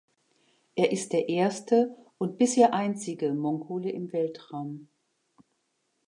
Er ist der erste und bisher einzige Mongole im Weltraum.